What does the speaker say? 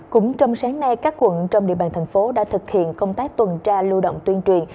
cũng trong sáng nay các quận trong địa bàn thành phố đã thực hiện công tác tuần tra lưu động tuyên truyền